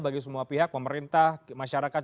bagi semua pihak pemerintah masyarakat